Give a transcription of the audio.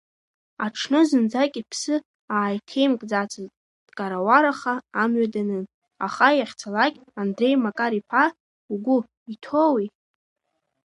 Аҽны зынӡак иԥсы ааиҭеимкӡацызт, дкарауараха амҩа данын, аха иахьцалак Андреи Макар-иԥа, угәы иҭоуи?